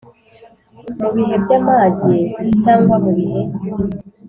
Mu bihe by’amage cyangwa mu bihe